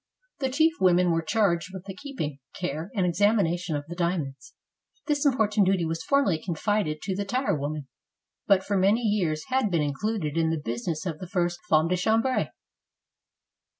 The chief women were charged with the keeping, care, and examination of the diamonds. This important duty was formerly confided to the tire woman, but for many years had been included in the business of the first femmes de chamhre.